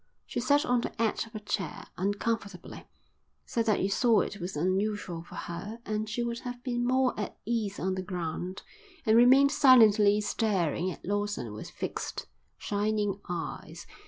She sat on the edge of a chair, uncomfortably, so that you saw it was unusual for her and she would have been more at ease on the ground, and remained silently staring at Lawson with fixed, shining eyes.